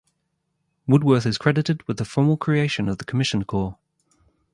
Woodworth is credited with the formal creation of the Commissioned Corps.